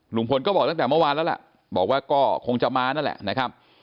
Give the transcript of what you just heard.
ลุงพลก็บอกตั้งแต่เมื่อวานแล้วล่ะบอกว่าก็คงจะมานั่นแหละนะครับ